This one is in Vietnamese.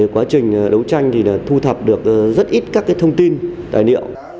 quá trình đấu tranh thì thu thập được rất ít các thông tin tài liệu